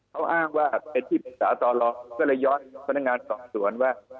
เขาอ้างว่าเป็นที่ปรึกษาต่อรองก็เลยย้อนพนักงานสอบสวนว่า